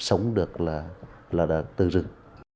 sống được là từ rừng